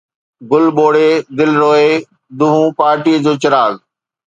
گل ٻوڙي، دل روئي، دونھون پارٽيءَ جو چراغ